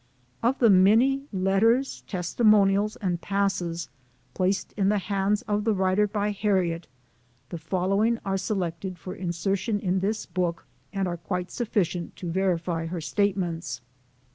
Of the many letters, testimonials, and passes, placed in the hands of the writer by Harriet, the following are selected for insertion in this book, and are quite sufficient to verify her statements.